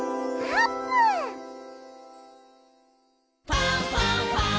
「ファンファンファン」